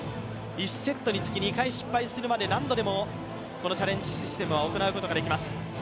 １セットにつき２回失敗するまで何度でもチャレンジシステムは行うことができます。